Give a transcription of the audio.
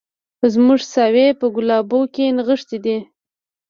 زموږ ساوي په ګلابو کي نغښتي دي